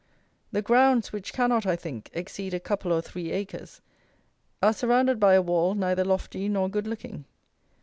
The grounds, which cannot, I think, exceed a couple or three acres, are surrounded by a wall neither lofty nor good looking.